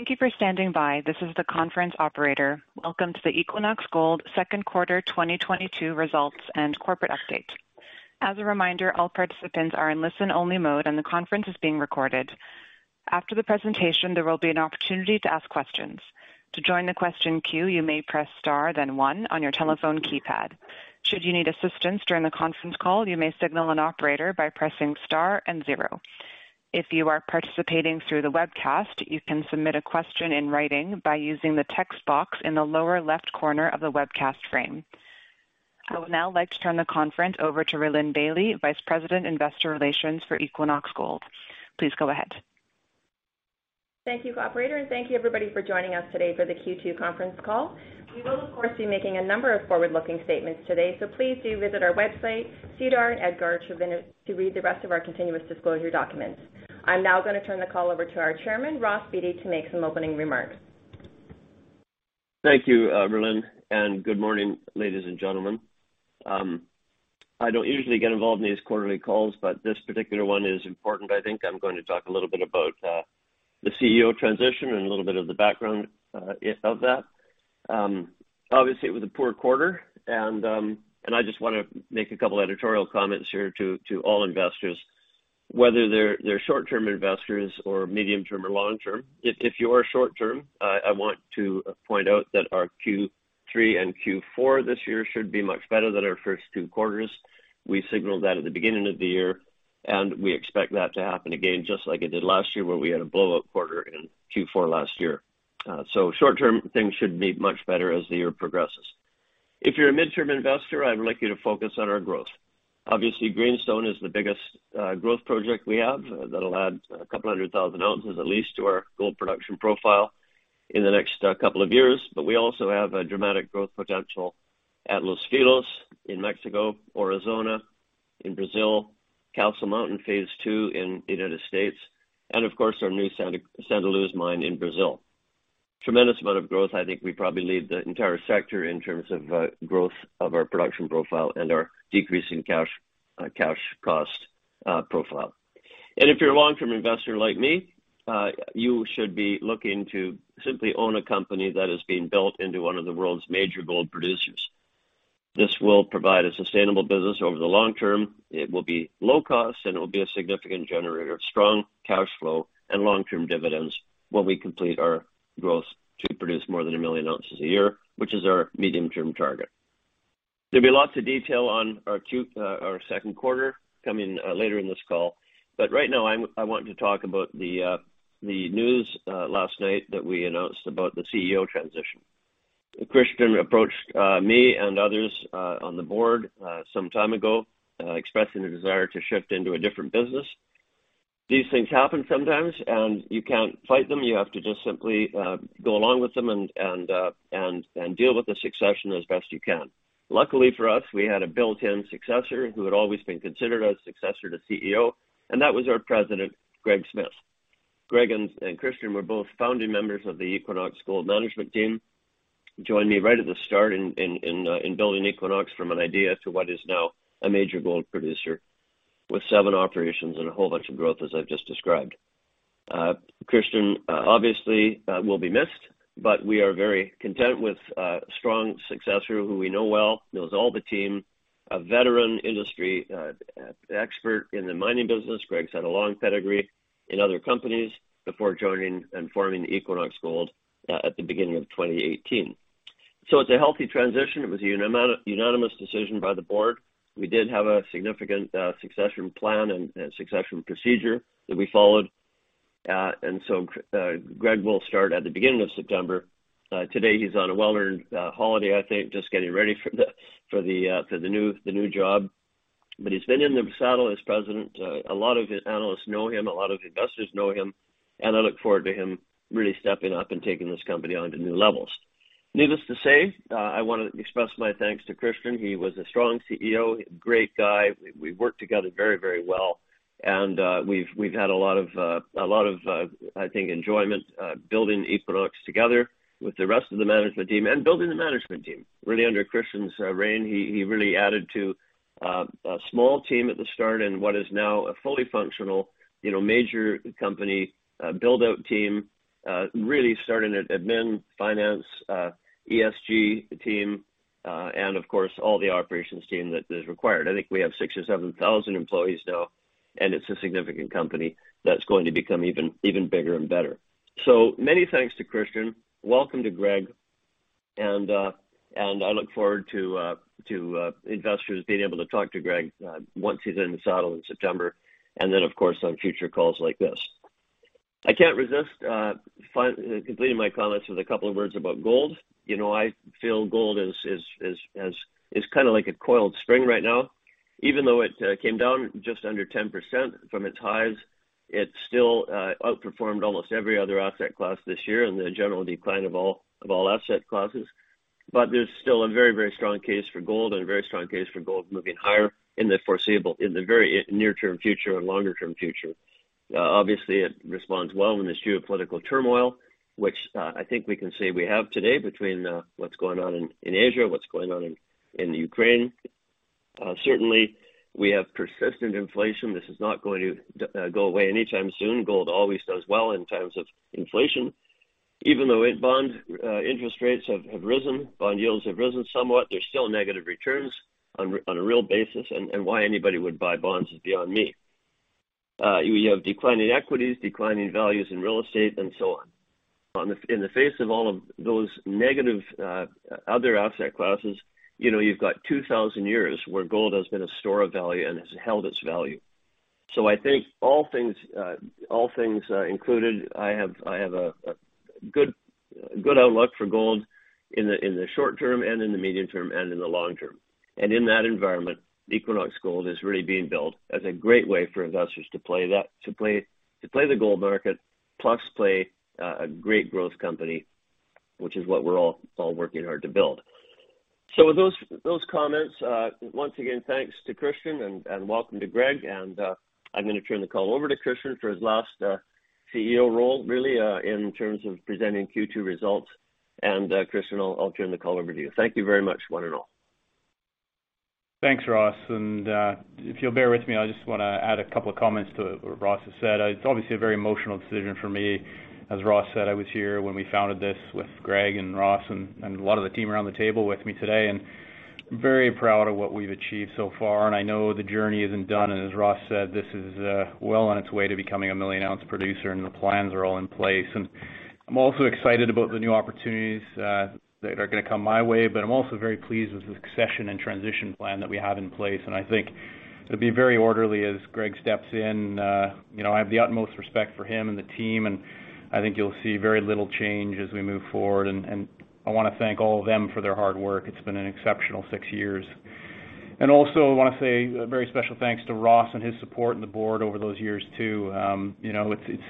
Thank you for standing by. This is the conference operator. Welcome to the Equinox Gold second quarter 2022 results and corporate update. As a reminder, all participants are in listen only mode, and the conference is being recorded. After the presentation, there will be an opportunity to ask questions. To join the question queue, you may press star then one on your telephone keypad. Should you need assistance during the conference call, you may signal an operator by pressing star and zero. If you are participating through the webcast, you can submit a question in writing by using the text box in the lower left corner of the webcast frame. I would now like to turn the conference over to Rhylin Bailie, Vice President, Investor Relations for Equinox Gold. Please go ahead. Thank you, operator, and thank you everybody for joining us today for the Q2 conference call. We will, of course, be making a number of forward-looking statements today, so please do visit our website, SEDAR, EDGAR to read the rest of our continuous disclosure documents. I'm now gonna turn the call over to our chairman, Ross Beaty, to make some opening remarks. Thank you, Rhylin, and good morning, ladies and gentlemen. I don't usually get involved in these quarterly calls, but this particular one is important. I think I'm going to talk a little bit about the CEO transition and a little bit of the background of that. Obviously, it was a poor quarter, and I just wanna make a couple editorial comments here to all investors, whether they're short-term investors or medium-term or long-term. If you're short-term, I want to point out that our Q3 and Q4 this year should be much better than our first two quarters. We signaled that at the beginning of the year, and we expect that to happen again, just like it did last year, where we had a blowup quarter in Q4 last year. Short-term, things should be much better as the year progresses. If you're a mid-term investor, I would like you to focus on our growth. Obviously, Greenstone is the biggest growth project we have. That'll add 200,000 oz at least to our gold production profile in the next couple of years. We also have a dramatic growth potential at Los Filos in Mexico, Aurizona in Brazil, Castle Mountain phase II in the United States, and of course, our new Santa Luz mine in Brazil. Tremendous amount of growth. I think we probably lead the entire sector in terms of growth of our production profile and our decreasing cash cost profile. If you're a long-term investor like me, you should be looking to simply own a company that is being built into one of the world's major gold producers. This will provide a sustainable business over the long term. It will be low cost, and it will be a significant generator of strong cash flow and long-term dividends when we complete our growth to produce more than a million ounces a year, which is our medium-term target. There'll be lots of detail on our second quarter coming later in this call, but right now, I want to talk about the news last night that we announced about the CEO transition. Christian approached me and others on the board some time ago expressing a desire to shift into a different business. These things happen sometimes, and you can't fight them. You have to just simply go along with them and deal with the succession as best you can. Luckily for us, we had a built-in successor who had always been considered a successor to CEO, and that was our president, Greg Smith. Greg and Christian were both founding members of the Equinox Gold management team, joined me right at the start in building Equinox from an idea to what is now a major gold producer with seven operations and a whole bunch of growth, as I've just described. Christian obviously will be missed, but we are very content with a strong successor who we know well, knows all the team, a veteran industry expert in the mining business. Greg's had a long pedigree in other companies before joining and forming Equinox Gold at the beginning of 2018. It's a healthy transition. It was a unanimous decision by the board. We did have a significant succession plan and succession procedure that we followed. Greg will start at the beginning of September. Today, he's on a well-earned holiday, I think, just getting ready for the new job. He's been in the saddle as president. A lot of analysts know him, a lot of investors know him, and I look forward to him really stepping up and taking this company on to new levels. Needless to say, I wanna express my thanks to Christian. He was a strong CEO, a great guy. We worked together very well and we've had a lot of enjoyment building Equinox together with the rest of the management team and building the management team. Really under Christian's reign, he really added to a small team at the start and what is now a fully functional, you know, major company build-out team, really starting at admin, finance, ESG team, and of course, all the operations team that is required. I think we have 6,000 or 7,000 employees now, and it's a significant company that's going to become even bigger and better. Many thanks to Christian. Welcome to Greg. I look forward to investors being able to talk to Greg once he's in the saddle in September, and then of course on future calls like this. I can't resist completing my comments with a couple of words about gold. You know, I feel gold is kind of like a coiled spring right now. Even though it came down just under 10% from its highs, it still outperformed almost every other asset class this year in the general decline of all asset classes. There's still a very strong case for gold and a very strong case for gold moving higher in the foreseeable, in the very near-term future and longer-term future. Obviously, it responds well in this geopolitical turmoil, which I think we can say we have today between what's going on in Asia, what's going on in Ukraine. Certainly we have persistent inflation. This is not going to go away anytime soon. Gold always does well in times of inflation. Even though bond interest rates have risen, bond yields have risen somewhat, there's still negative returns on a real basis, and why anybody would buy bonds is beyond me. You have declining equities, declining values in real estate, and so on. In the face of all of those negative other asset classes, you know, you've got 2,000 years where gold has been a store of value and has held its value. I think all things included, I have a good outlook for gold in the short term, and in the medium term, and in the long term. In that environment, Equinox Gold is really being built as a great way for investors to play that. To play the gold market, plus play a great growth company, which is what we're all working hard to build. With those comments, once again, thanks to Christian and welcome to Greg. I'm gonna turn the call over to Christian for his last CEO role, really, in terms of presenting Q2 results. Christian, I'll turn the call over to you. Thank you very much one and all. Thanks, Ross. If you'll bear with me, I just wanna add a couple of comments to what Ross has said. It's obviously a very emotional decision for me. As Ross said, I was here when we founded this with Greg and Ross and a lot of the team around the table with me today. Very proud of what we've achieved so far. I know the journey isn't done, and as Ross said, this is well on its way to becoming a million ounce producer, and the plans are all in place. I'm also excited about the new opportunities that are gonna come my way, but I'm also very pleased with the succession and transition plan that we have in place. I think it'll be very orderly as Greg steps in. You know, I have the utmost respect for him and the team, and I think you'll see very little change as we move forward. I wanna thank all of them for their hard work. It's been an exceptional six years. Also, I wanna say a very special thanks to Ross and his support, and the board over those years too. You know, it's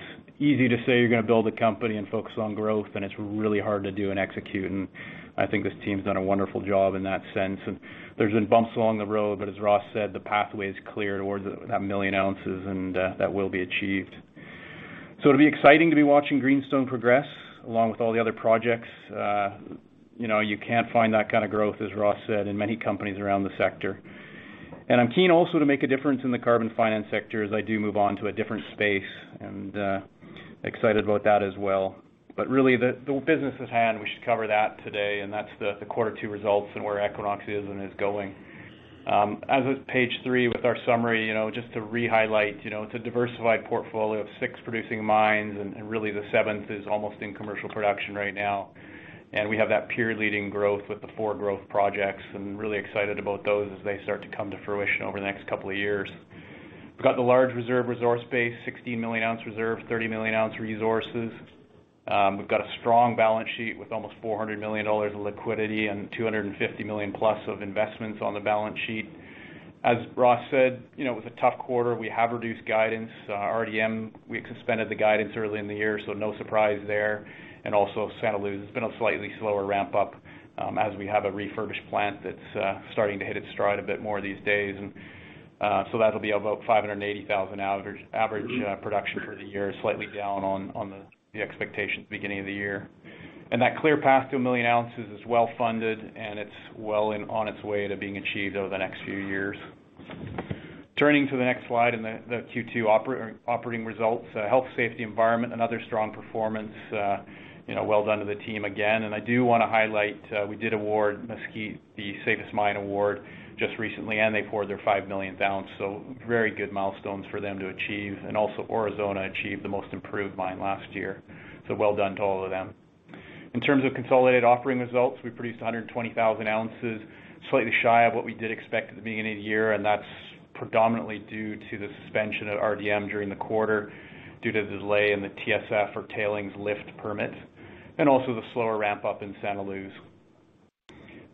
easy to say you're gonna build a company and focus on growth, and it's really hard to do and execute. I think this team's done a wonderful job in that sense. There's been bumps along the road, but as Ross said, the pathway is clear towards that million ounces and that will be achieved. It'll be exciting to be watching Greenstone progress along with all the other projects. You know, you can't find that kinda growth, as Ross said, in many companies around the sector. I'm keen also to make a difference in the carbon finance sector as I do move on to a different space, and excited about that as well. Really the business at hand, we should cover that today, and that's the quarter two results and where Equinox is and going. As of page three with our summary, you know, just to re-highlight, you know, it's a diversified portfolio of six producing mines and really the seventh is almost in commercial production right now. We have that peer-leading growth with the four growth projects, and we're really excited about those as they start to come to fruition over the next couple of years. We've got the large reserve resource base, 60 million oz reserve, 30 million oz resources. We've got a strong balance sheet with almost $400 million of liquidity and $250+ million of investments on the balance sheet. As Ross said, you know, it was a tough quarter. We have reduced guidance. RDM, we suspended the guidance early in the year, so no surprise there. Santa Luz has been a slightly slower ramp up, as we have a refurbished plant that's starting to hit its stride a bit more these days. That'll be about 580,000 average production for the year, slightly down on the expectations at the beginning of the year. That clear path to million ounces is well-funded, and it's well on its way to being achieved over the next few years. Turning to the next slide and the Q2 operating results. Health, safety, environment, another strong performance. You know, well done to the team again. I do wanna highlight, we did award Mesquite the Safest Mine award just recently, and they poured their 5 millionth oz. Very good milestones for them to achieve. Also, Aurizona achieved the Most Improved Mine last year. Well done to all of them. In terms of consolidated operating results, we produced 120,000 oz. Slightly shy of what we did expect at the beginning of the year, and that's predominantly due to the suspension at RDM during the quarter due to the delay in the TSF or tailings lift permit, and also the slower ramp-up in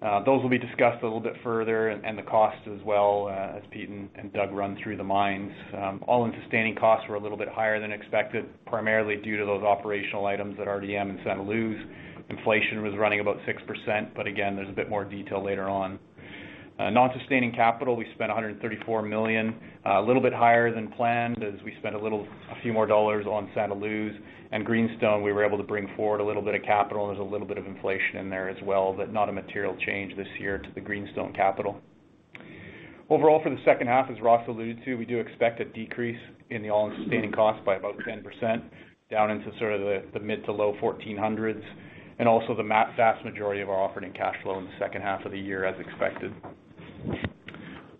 Santa Luz. Those will be discussed a little bit further and the cost as well, as Pete and Doug run through the mines. All-in sustaining costs were a little bit higher than expected, primarily due to those operational items at RDM and Santa Luz. Inflation was running about 6%, but again, there's a bit more detail later on. Non-sustaining capital, we spent $134 million, a little bit higher than planned as we spent a little, a few more dollars on Santa Luz. Greenstone, we were able to bring forward a little bit of capital. There's a little bit of inflation in there as well, but not a material change this year to the Greenstone capital. Overall, for the second half, as Ross alluded to, we do expect a decrease in the all-in sustaining cost by about 10%, down into sort of the mid- to low-$1,400s, and also the vast majority of our operating cash flow in the second half of the year as expected.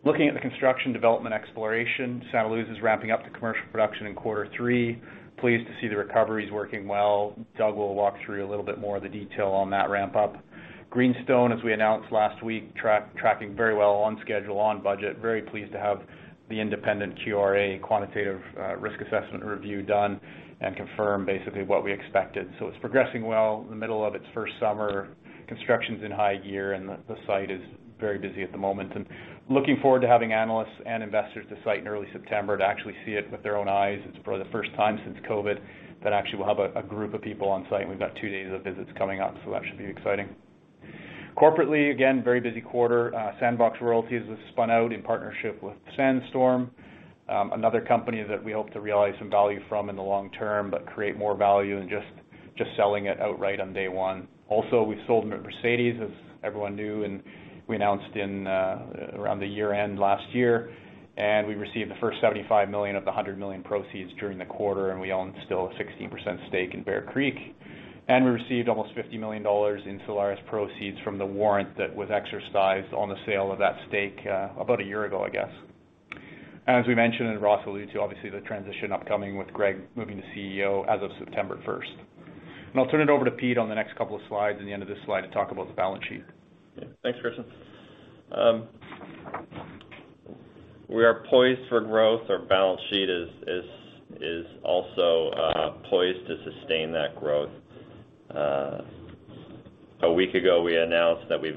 Looking at the construction development exploration, Santa Luz is ramping up to commercial production in quarter three. Pleased to see the recovery is working well. Doug will walk through a little bit more of the detail on that ramp-up. Greenstone, as we announced last week, tracking very well on schedule, on budget. Very pleased to have the independent QRA, quantitative risk assessment review done and confirm basically what we expected. It's progressing well in the middle of its first summer. Construction's in high gear and the site is very busy at the moment. Looking forward to having analysts and investors to the site in early September to actually see it with their own eyes. It's probably the first time since COVID that we'll have a group of people on site, and we've got two days of visits coming up, so that should be exciting. Corporately, again, very busy quarter. Sandbox Royalties was spun out in partnership with Sandstorm, another company that we hope to realize some value from in the long term, but create more value than just selling it outright on day one. Also, we've sold Mercedes, as everyone knew, and we announced in around the year-end last year. We received the first $75 million of the hundred million proceeds during the quarter, and we own still a 16% stake in Bear Creek. We received almost $50 million in Solaris proceeds from the warrant that was exercised on the sale of that stake, about a year ago, I guess. As we mentioned, and Ross alludes to, obviously, the transition upcoming with Greg moving to CEO as of September 1st. I'll turn it over to Pete on the next couple of slides and the end of this slide to talk about the balance sheet. Yeah. Thanks, Christian. We are poised for growth. Our balance sheet is also poised to sustain that growth. A week ago, we announced that we've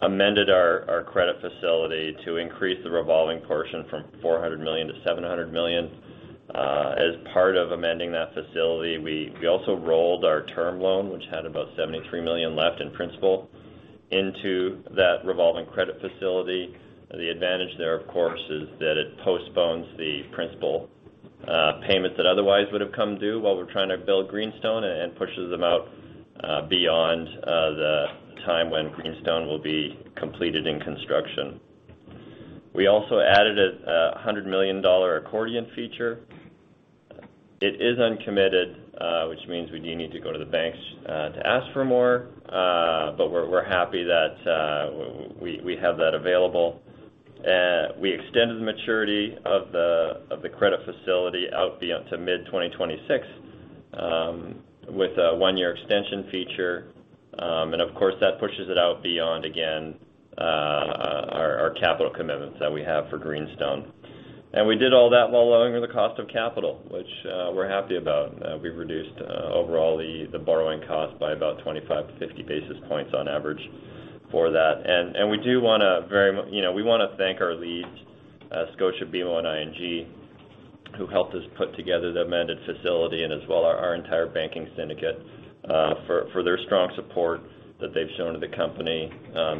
amended our credit facility to increase the revolving portion from $400 million-$700 million. As part of amending that facility, we also rolled our term loan, which had about $73 million left in principal, into that revolving credit facility. The advantage there, of course, is that it postpones the principal payments that otherwise would have come due while we're trying to build Greenstone and pushes them out beyond the time when Greenstone will be completed in construction. We also added a $100 million accordion feature. It is uncommitted, which means we do need to go to the banks to ask for more, but we're happy that we have that available. We extended the maturity of the credit facility to mid-2026 with a one-year extension feature. Of course, that pushes it out beyond, again, our capital commitments that we have for Greenstone. We did all that while lowering the cost of capital, which we're happy about. We've reduced overall the borrowing cost by about 25-50 basis points on average for that. We wanna thank our leads, Scotia, BMO, and ING, who helped us put together the amended facility, and as well our entire banking syndicate, for their strong support that they've shown to the company,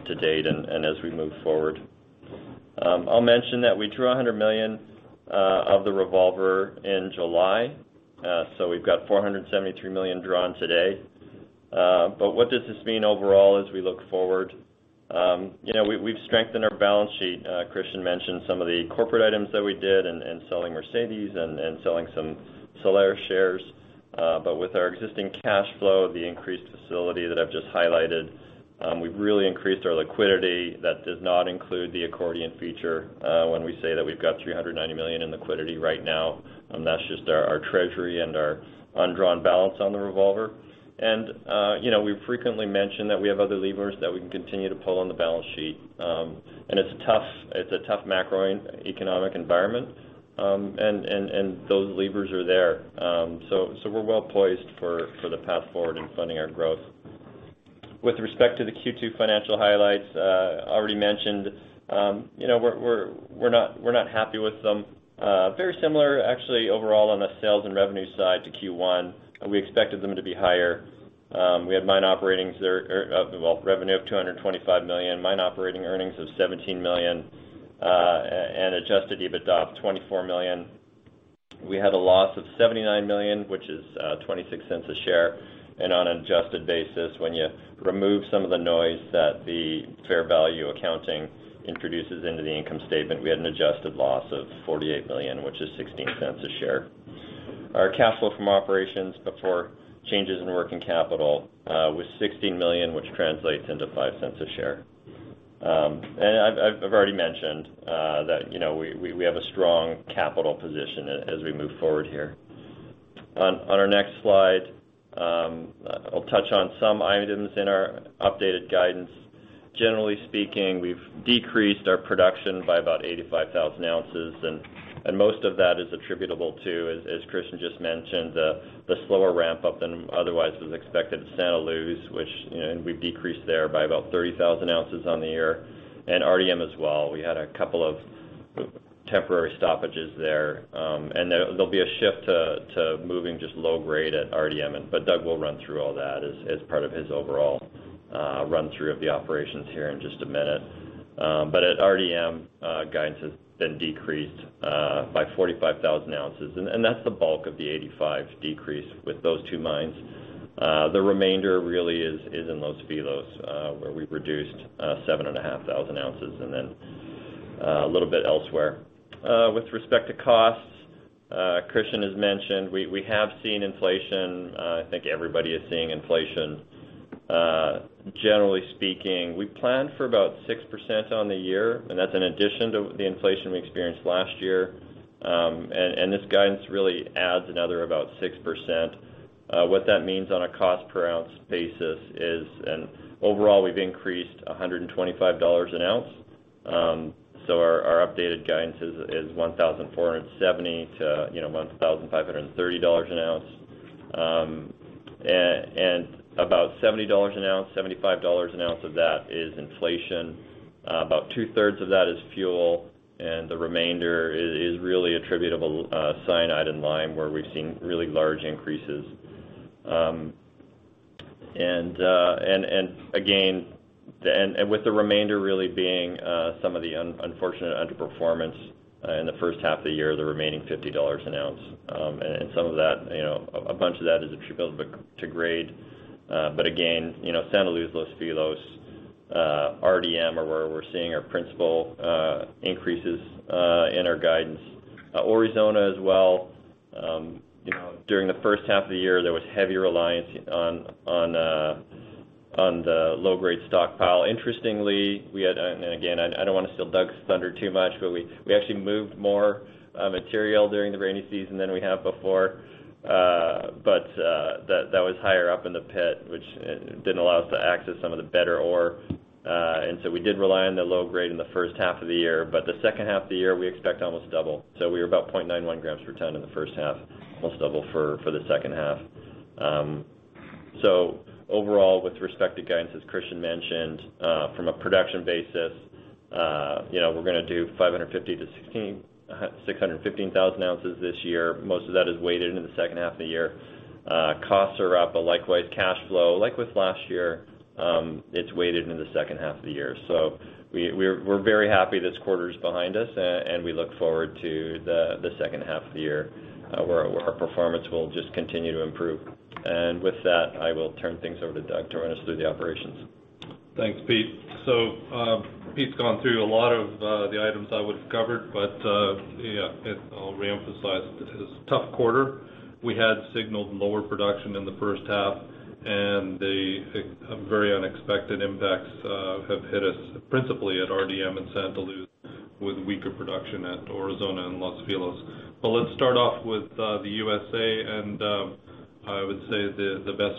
to date and as we move forward. I'll mention that we drew $100 million of the revolver in July. We've got $473 million drawn today. What does this mean overall as we look forward? You know, we've strengthened our balance sheet. Christian mentioned some of the corporate items that we did and selling Mercedes and selling some Solaris shares. With our existing cash flow, the increased facility that I've just highlighted, we've really increased our liquidity. That does not include the accordion feature, when we say that we've got $390 million in liquidity right now. That's just our treasury and our undrawn balance on the revolver. You know, we frequently mention that we have other levers that we can continue to pull on the balance sheet. It's a tough macroeconomic environment, and those levers are there. So we're well poised for the path forward in funding our growth. With respect to the Q2 financial highlights, already mentioned, you know, we're not happy with them. Very similar actually overall on the sales and revenue side to Q1. We expected them to be higher. We had revenue of $225 million, mine operating earnings of $17 million, and Adjusted EBITDA of $24 million. We had a loss of $79 million, which is $0.26 per share. On an adjusted basis, when you remove some of the noise that the fair value accounting introduces into the income statement, we had an adjusted loss of $48 million, which is $0.16 per share. Our cash flow from operations before changes in working capital was $16 million, which translates into $0.05 per share. I've already mentioned that, you know, we have a strong capital position as we move forward here. On our next slide, I'll touch on some items in our updated guidance. Generally speaking, we've decreased our production by about 85,000 oz, and most of that is attributable to, as Christian just mentioned, the slower ramp-up than otherwise was expected at Santa Luz, which you know, we've decreased there by about 30,000 oz on the year. RDM as well, we had a couple of temporary stoppages there. There'll be a shift to moving just low grade at RDM, but Doug will run through all that as part of his overall run-through of the operations here in just a minute. At RDM, guidance has been decreased by 45,000 oz. That's the bulk of the 85,000 decrease with those two mines. The remainder really is in Los Filos, where we've reduced 7,500 oz, and then a little bit elsewhere. With respect to costs, Christian has mentioned we have seen inflation. I think everybody is seeing inflation. Generally speaking, we planned for about 6% on the year, and that's in addition to the inflation we experienced last year. This guidance really adds another about 6%. What that means on a cost per ounce basis is, and overall, we've increased $125 an ounce. Our updated guidance is $1,470 to, you know, $1,530 an ounce. About $70 an ounce, $75 an ounce of that is inflation. About two-thirds of that is fuel, and the remainder is really attributable to cyanide and lime, where we've seen really large increases. With the remainder really being some of the unfortunate underperformance in the first half of the year, the remaining $50 an ounce. Some of that, you know, a bunch of that is attributable to grade. Again, you know, Santa Luz, Los Filos, RDM are where we're seeing our principal increases in our guidance. Aurizona as well. You know, during the first half of the year, there was heavy reliance on the low grade stockpile. Interestingly, we had... I don't wanna steal Doug's thunder too much, but we actually moved more material during the rainy season than we have before. That was higher up in the pit, which didn't allow us to access some of the better ore. We did rely on the low grade in the first half of the year. The second half of the year, we expect almost double. We were about 0.91 grams per ton in the first half, almost double for the second half. Overall, with respect to guidance, as Christian mentioned, from a production basis, you know, we're gonna do 550-615,000 oz this year. Most of that is weighted into the second half of the year. Costs are up, but likewise, cash flow, like with last year, it's weighted into the second half of the year. We're very happy this quarter's behind us, and we look forward to the second half of the year, where our performance will just continue to improve. With that, I will turn things over to Doug to run us through the operations. Thanks, Pete. Pete's gone through a lot of the items I would've covered, but yeah, it. I'll reemphasize. It is a tough quarter. We had signaled lower production in the first half, and the very unexpected impacts have hit us principally at RDM and Santa Luz, with weaker production at Aurizona and Los Filos. Let's start off with the USA, and I would say the best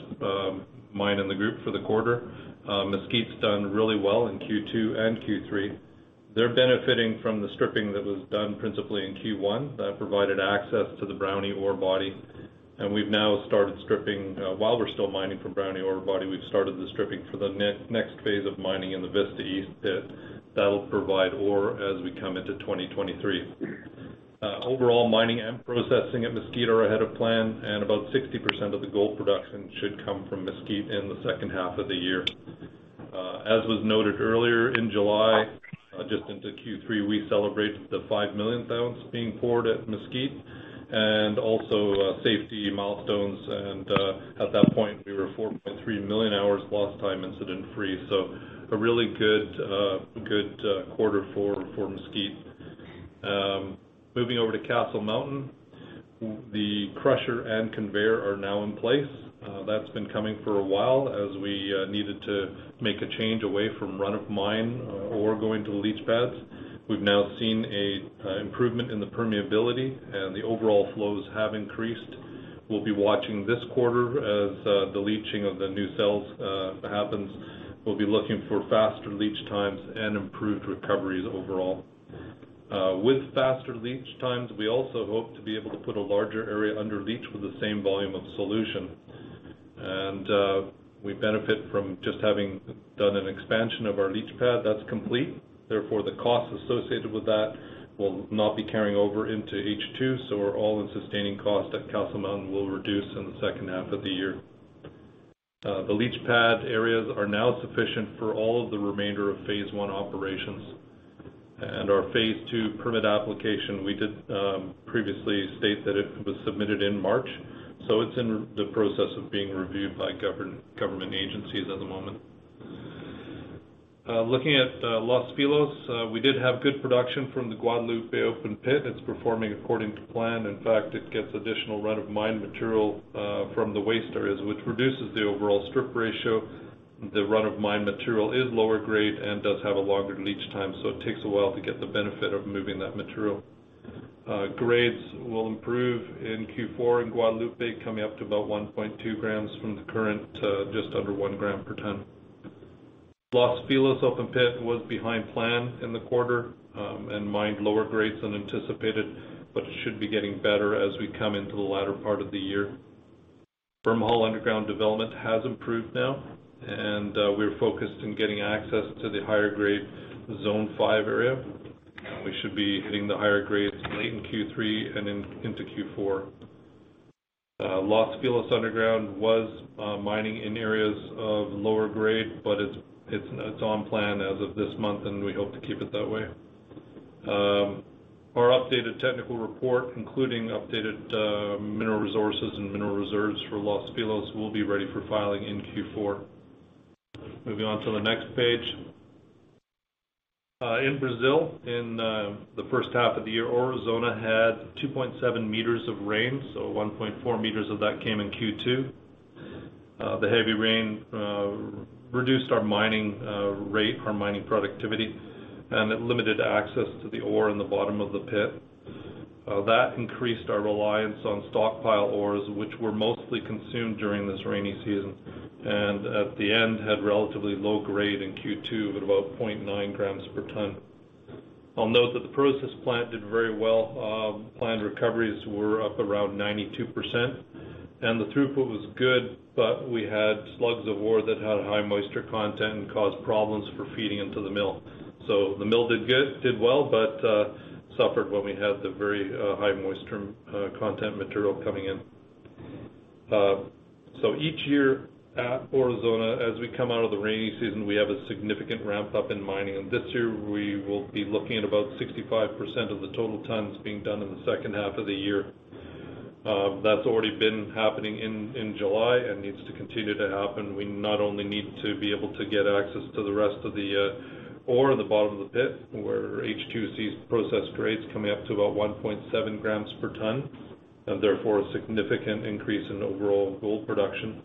mine in the group for the quarter. Mesquite's done really well in Q2 and Q3. They're benefiting from the stripping that was done principally in Q1. That provided access to the Brownie ore body. We've now started stripping while we're still mining for Brownie ore body. We've started the stripping for the next phase of mining in the Vista East Pit. That'll provide ore as we come into 2023. Overall mining and processing at Mesquite are ahead of plan, and about 60% of the gold production should come from Mesquite in the second half of the year. As was noted earlier, in July, just into Q3, we celebrated the 5 millionth oz being poured at Mesquite, and also, safety milestones. At that point, we were 4.3 million hours lost time incident free. A really good quarter for Mesquite. Moving over to Castle Mountain, the crusher and conveyor are now in place. That's been coming for a while, as we needed to make a change away from run-of-mine ore going to the leach pads. We've now seen a improvement in the permeability, and the overall flows have increased. We'll be watching this quarter as the leaching of the new cells happens. We'll be looking for faster leach times and improved recoveries overall. With faster leach times, we also hope to be able to put a larger area under leach with the same volume of solution. We benefit from just having done an expansion of our leach pad. That's complete, therefore, the costs associated with that will not be carrying over into H2, so our all-in sustaining cost at Castle Mountain will reduce in the second half of the year. The leach pad areas are now sufficient for all of the remainder of phase one operations. Our phase two permit application, we did previously state that it was submitted in March, so it's in the process of being reviewed by government agencies at the moment. Looking at Los Filos, we did have good production from the Guadalupe open pit. It's performing according to plan. In fact, it gets additional run-of-mine material from the waste areas, which reduces the overall strip ratio. The run-of-mine material is lower grade and does have a longer leach time, so it takes a while to get the benefit of moving that material. Grades will improve in Q4 in Guadalupe, coming up to about 1.2 grams from the current just under 1 gram per ton. Los Filos open pit was behind plan in the quarter, and mined lower grades than anticipated, but it should be getting better as we come into the latter part of the year. Bermejal underground development has improved now, and we're focused on getting access to the higher grade Zone 5 area. We should be hitting the higher grades late in Q3 and into Q4. Los Filos underground was mining in areas of lower grade, but it's on plan as of this month, and we hope to keep it that way. Our updated technical report, including updated mineral resources and mineral reserves for Los Filos, will be ready for filing in Q4. Moving on to the next page. In Brazil, the first half of the year, Aurizona had 2.7 meters of rain, so 1.4 meters of that came in Q2. The heavy rain reduced our mining rate, our mining productivity, and it limited access to the ore in the bottom of the pit. That increased our reliance on stockpile ores, which were mostly consumed during this rainy season, and at the end, had relatively low grade in Q2 at about 0.9 grams per ton. I'll note that the process plant did very well. Planned recoveries were up around 92%, and the throughput was good, but we had slugs of ore that had high moisture content and caused problems for feeding into the mill. The mill did well, but suffered when we had the very high moisture content material coming in. Each year at Aurizona, as we come out of the rainy season, we have a significant ramp up in mining. This year, we will be looking at about 65% of the total tons being done in the second half of the year. That's already been happening in July and needs to continue to happen. We not only need to be able to get access to the rest of the ore in the bottom of the pit where H2C's processed grade's coming up to about 1.7 grams per ton, and therefore, a significant increase in overall gold production.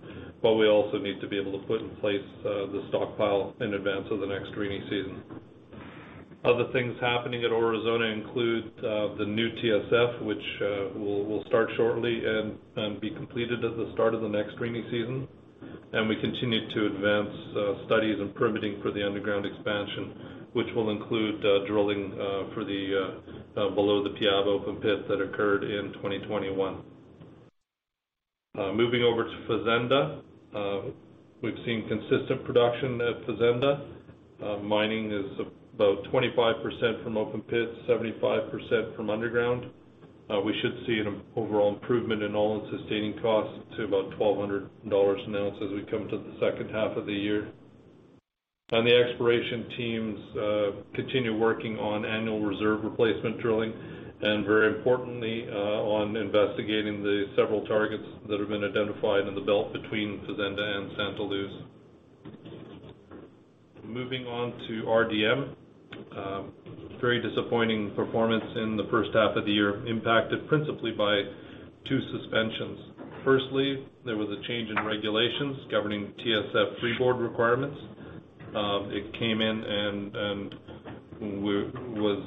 We also need to be able to put in place the stockpile in advance of the next rainy season. Other things happening at Aurizona include the new TSF, which we'll start shortly and be completed at the start of the next rainy season. We continue to advance studies and permitting for the underground expansion, which will include drilling for the below the Piaba open pit that occurred in 2021. Moving over to Fazenda. We've seen consistent production at Fazenda. Mining is about 25% from open pit, 75% from underground. We should see an overall improvement in all-in sustaining costs to about $1,200 an ounce as we come to the second half of the year. The exploration teams continue working on annual reserve replacement drilling, and very importantly, on investigating the several targets that have been identified in the belt between Fazenda and Santa Luz. Moving on to RDM. Very disappointing performance in the first half of the year, impacted principally by two suspensions. Firstly, there was a change in regulations governing TSF freeboard requirements. It came in and was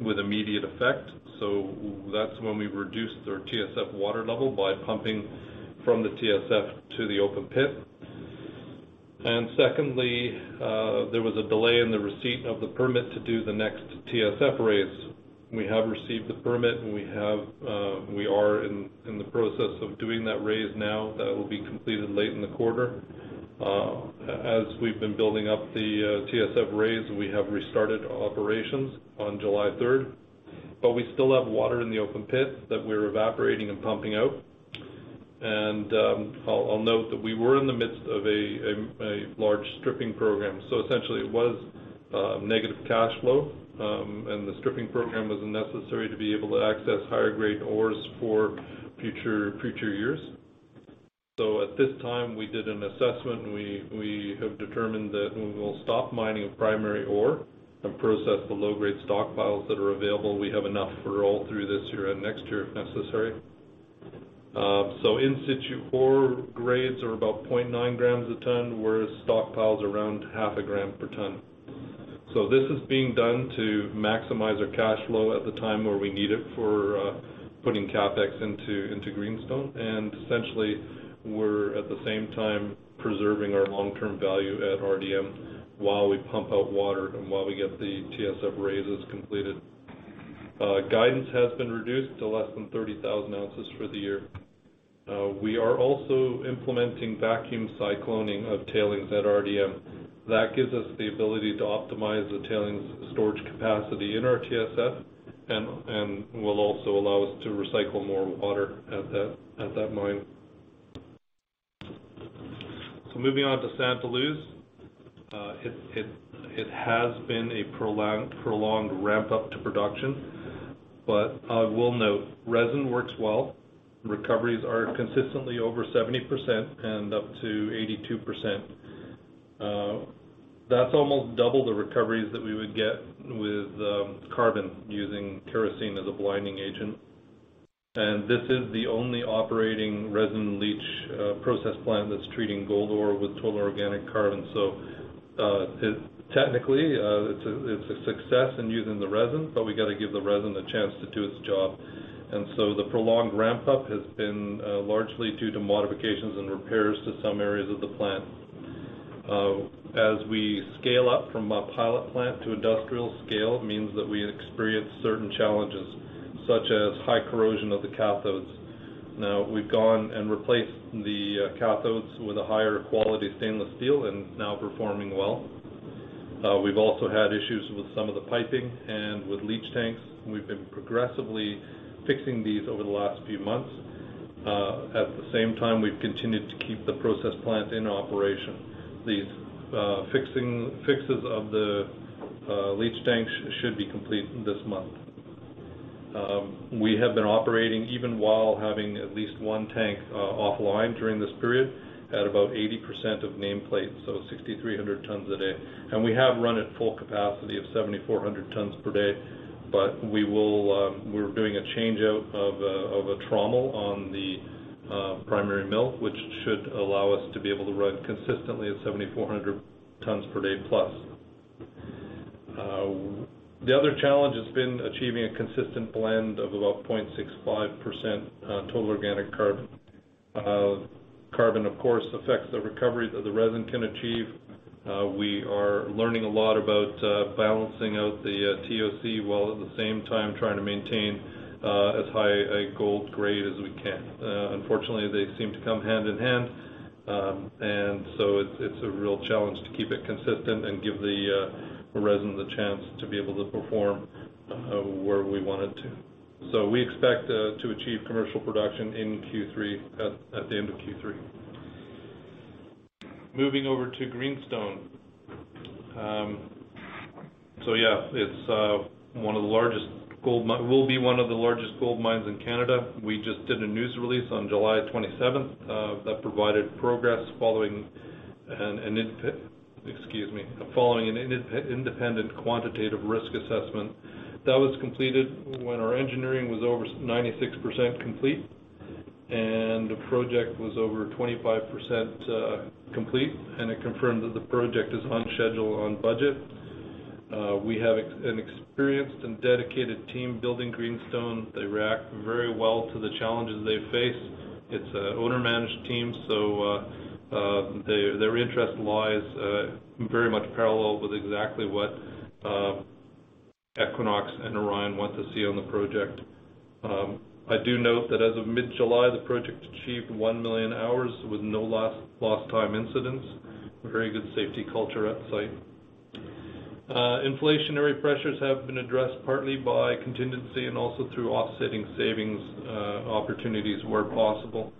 with immediate effect. That's when we reduced our TSF water level by pumping from the TSF to the open pit. Secondly, there was a delay in the receipt of the permit to do the next TSF raise. We have received the permit, and we are in the process of doing that raise now that will be completed late in the quarter. As we've been building up the TSF raise, we have restarted operations on July 3rd, but we still have water in the open pit that we're evaporating and pumping out. I'll note that we were in the midst of a large stripping program. Essentially it was negative cash flow, and the stripping program was necessary to be able to access higher grade ores for future years. At this time, we did an assessment and we have determined that we will stop mining primary ore and process the low-grade stockpiles that are available. We have enough for all through this year and next year, if necessary. In-situ ore grades are about 0.9 grams per ton, whereas stockpiles around half a gram per ton. This is being done to maximize our cash flow at the time where we need it for putting CapEx into Greenstone. Essentially, we're at the same time preserving our long-term value at RDM while we pump out water and while we get the TSF raises completed. Guidance has been reduced to less than 30,000 oz for the year. We are also implementing vacuum cycloning of tailings at RDM. That gives us the ability to optimize the tailings storage capacity in our TSF and will also allow us to recycle more water at that mine. Moving on to Santa Luz. It has been a prolonged ramp up to production, but I will note resin works well. Recoveries are consistently over 70% and up to 82%. That's almost double the recoveries that we would get with carbon using kerosene as a blinding agent. This is the only operating resin leach process plant that's treating gold ore with total organic carbon. Technically, it's a success in using the resin, but we got to give the resin a chance to do its job. The prolonged ramp up has been largely due to modifications and repairs to some areas of the plant. As we scale up from a pilot plant to industrial scale, it means that we experience certain challenges, such as high corrosion of the cathodes. Now, we've gone and replaced the cathodes with a higher quality stainless steel and now performing well. We've also had issues with some of the piping and with leach tanks, and we've been progressively fixing these over the last few months. At the same time, we've continued to keep the process plant in operation. These fixes of the leach tanks should be complete this month. We have been operating even while having at least one tank offline during this period at about 80% of nameplate, so 6,300 tons a day. We have run at full capacity of 7,400 tons per day, but we're doing a changeout of a trommel on the primary mill, which should allow us to be able to run consistently at 7,400 tons per day plus. The other challenge has been achieving a consistent blend of about 0.65% total organic carbon. Carbon, of course, affects the recoveries that the resin can achieve. We are learning a lot about balancing out the TOC while at the same time trying to maintain as high a gold grade as we can. Unfortunately, they seem to come hand in hand. It's a real challenge to keep it consistent and give the resin the chance to be able to perform where we want it to. We expect to achieve commercial production in Q3 at the end of Q3. Moving over to Greenstone. It will be one of the largest gold mines in Canada. We just did a news release on July 27th that provided progress following an independent quantitative risk assessment. That was completed when our engineering was over 96% complete, and the project was over 25%, complete, and it confirmed that the project is on schedule, on budget. We have an experienced and dedicated team building Greenstone. They react very well to the challenges they face. It's an owner-managed team, their interest lies very much parallel with exactly what Equinox and Orion want to see on the project. I do note that as of mid-July, the project achieved 1 million hours with no lost time incidents, a very good safety culture at site. Inflationary pressures have been addressed partly by contingency and also through offsetting savings opportunities where possible.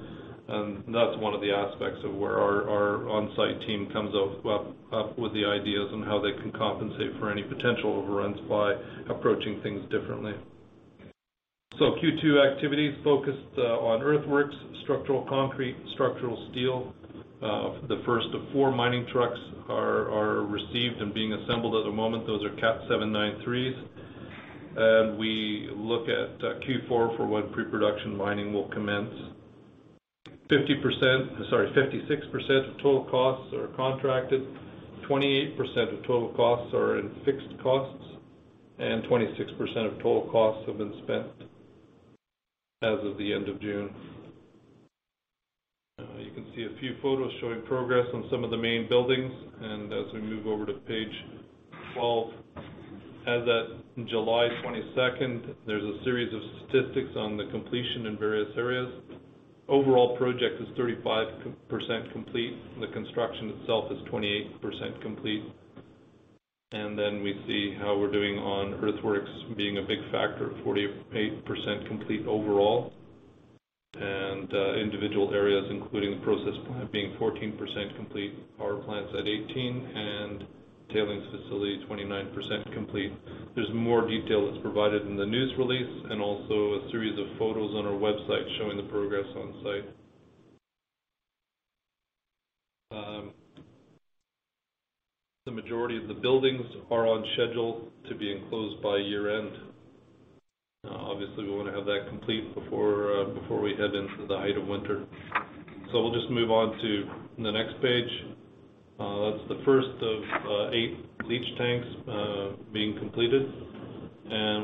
That's one of the aspects of where our on-site team comes up with the ideas on how they can compensate for any potential overruns by approaching things differently. Q2 activities focused on earthworks, structural concrete, structural steel. The first of four mining trucks are received and being assembled at the moment. Those are Cat 793s. We look at Q4 for when pre-production mining will commence. 56% of total costs are contracted. 28% of total costs are in fixed costs, and 26% of total costs have been spent as of the end of June. You can see a few photos showing progress on some of the main buildings. As we move over to page 12, as at July 22, there's a series of statistics on the completion in various areas. Overall project is 35% complete. The construction itself is 28% complete and then we see how were doing on earthworks being a big factor for the 8% complete overall. Individual areas, including the process plant being 14% complete, power plant at 18%, and tailings facility 29% complete. There's more detail that's provided in the news release and also a series of photos on our website showing the progress on site. The majority of the buildings are on schedule to be enclosed by year-end. Obviously, we wanna have that complete before we head into the height of winter. We'll just move on to the next page. That's the first of eight leach tanks being completed.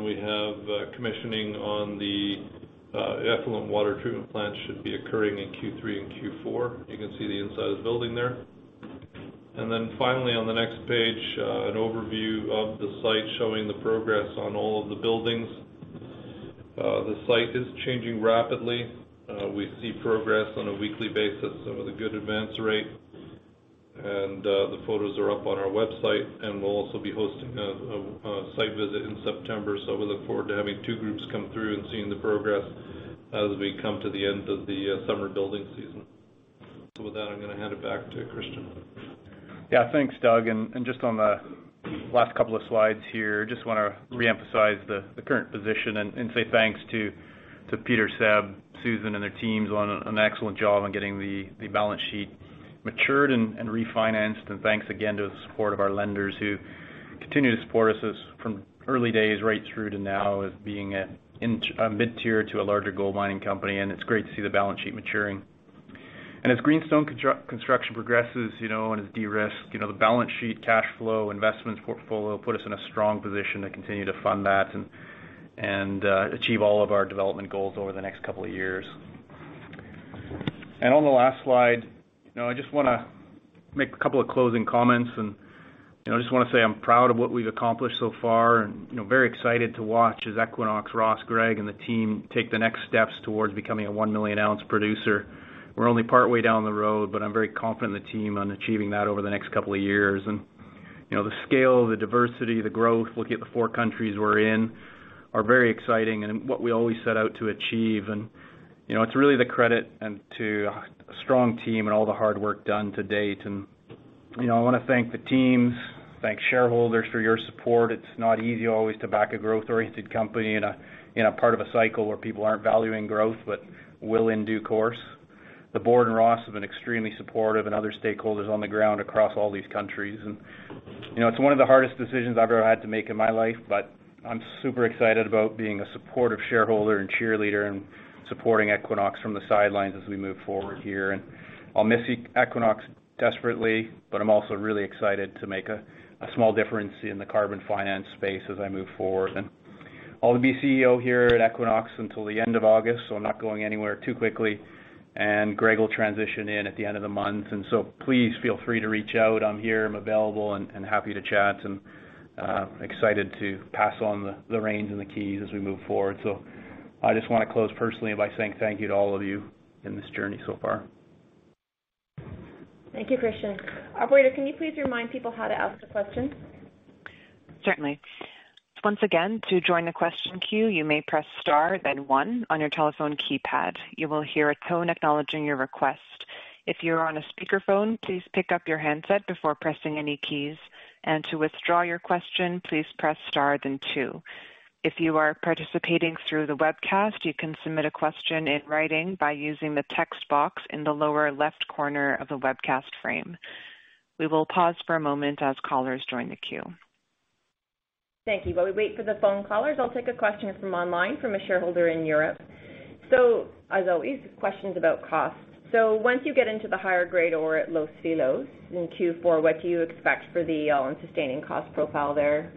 We have commissioning on the effluent water treatment plant should be occurring in Q3 and Q4. You can see the inside of the building there. Finally, on the next page, an overview of the site showing the progress on all of the buildings. The site is changing rapidly. We see progress on a weekly basis with a good advance rate. The photos are up on our website, and we'll also be hosting a site visit in September. We look forward to having two groups come through and seeing the progress as we come to the end of the summer building season. With that, I'm gonna hand it back to Christian. Yeah. Thanks, Doug. Just on the last couple of slides here, just wanna reemphasize the current position and say thanks to Peter, Seb, Susan, and their teams on an excellent job on getting the balance sheet matured and refinanced. Thanks again to the support of our lenders who continue to support us as from early days right through to now as being a mid-tier to a larger gold mining company. It's great to see the balance sheet maturing. As Greenstone construction progresses, you know, and it's de-risked, you know, the balance sheet, cash flow, investments portfolio put us in a strong position to continue to fund that and achieve all of our development goals over the next couple of years. On the last slide, you know, I just wanna make a couple of closing comments and, you know, I just wanna say I'm proud of what we've accomplished so far and, you know, very excited to watch as Equinox, Ross, Greg, and the team take the next steps towards becoming a 1 million oz producer. We're only partway down the road, but I'm very confident in the team on achieving that over the next couple of years. You know, the scale, the diversity, the growth, looking at the four countries we're in, are very exciting and what we always set out to achieve. You know, it's really the credit and to a strong team and all the hard work done to date. You know, I wanna thank the teams, thank shareholders for your support. It's not easy always to back a growth-oriented company in a part of a cycle where people aren't valuing growth but will in due course. The board and Ross have been extremely supportive and other stakeholders on the ground across all these countries. You know, it's one of the hardest decisions I've ever had to make in my life, but I'm super excited about being a supportive shareholder and cheerleader and supporting Equinox from the sidelines as we move forward here. I'll miss Equinox desperately, but I'm also really excited to make a small difference in the carbon finance space as I move forward. I'll be CEO here at Equinox until the end of August, so I'm not going anywhere too quickly. Greg will transition in at the end of the month. Please feel free to reach out. I'm here, I'm available and happy to chat and excited to pass on the reins and the keys as we move forward. I just wanna close personally by saying thank you to all of you in this journey so far. Thank you, Christian. Operator, can you please remind people how to ask a question? Certainly. Once again, to join the question queue, you may press star then one on your telephone keypad. You will hear a tone acknowledging your request. If you're on a speakerphone, please pick up your handset before pressing any keys. To withdraw your question, please press star then two. If you are participating through the webcast, you can submit a question in writing by using the text box in the lower left corner of the webcast frame. We will pause for a moment as callers join the queue. Thank you. While we wait for the phone callers, I'll take a question from online from a shareholder in Europe. As always, questions about costs. Once you get into the higher grade ore at Los Filos in Q4, what do you expect for the all-in sustaining cost profile there?